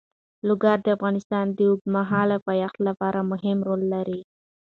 لوگر د افغانستان د اوږدمهاله پایښت لپاره مهم رول لري.